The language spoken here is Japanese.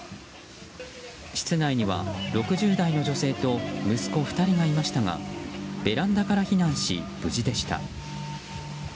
室内には６０代の女性と息子２人がいましたがベランダから避難し無事でした。